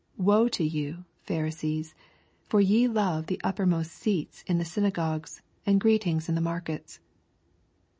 43 Woe unto you, Pharisees I for ye love the uppermost seats in the synagogues, and greetings in the mar kets.